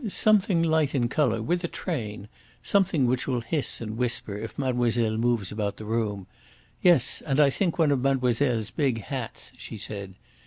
"Something light in colour with a train, something which will hiss and whisper if mademoiselle moves about the room yes, and I think one of mademoiselle's big hats," she said.